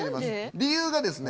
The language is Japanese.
理由がですね